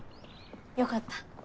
よかった。